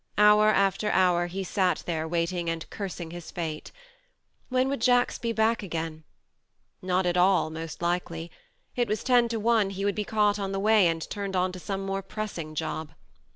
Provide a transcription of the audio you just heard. Hour after hour he sat there waiting and cursing his fate. When would Jacks be back again ? Not at all, most likely ; it was ten to one he would be caught on the way and turned on to some more pressing job.